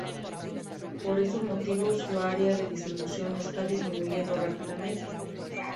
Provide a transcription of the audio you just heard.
Por estos motivos su área de distribución está disminuyendo rápidamente.